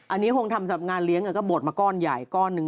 อันนี้คงทำสำหรับงานเลี้ยงก็บดมาก้อนใหญ่ก้อนหนึ่ง